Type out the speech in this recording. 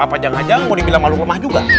apa jangan jangan mau dibilang malung lemah juga